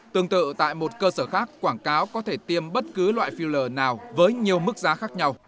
tương tự tại một cơ sở khác quảng cáo có thể tiêm bất cứ loại phiêu lờ nào với nhiều mức giá khác nhau